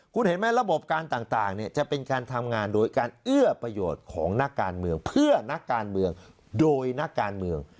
คุณเห็นไหมระบบการต่างจะเป็นการทำงานโดยการเอื้อประโยชน์ของนักการเมืองเพื่อนักการเมืองโดยนักการเมือง